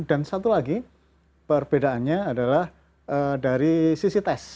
dan satu lagi perbedaannya adalah dari sisi tes